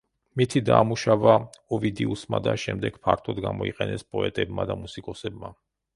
მითი დაამუშავა ოვიდიუსმა და შემდეგ ფართოდ გამოიყენეს პოეტებმა და მუსიკოსებმა.